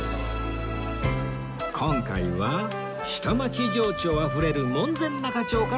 今回は下町情緒あふれる門前仲町からスタート